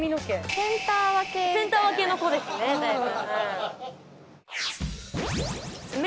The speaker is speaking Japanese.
センター分けの子ですねだいぶ。